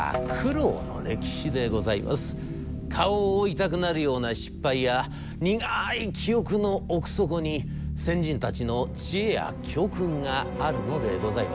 顔を覆いたくなるような失敗や苦い記憶の奥底に先人たちの知恵や教訓があるのでございましょう。